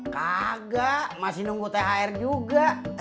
kagak masih nunggu thr juga